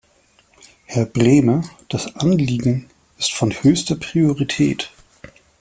Herr Brehme, das Anliegen ist von höchster Priorität.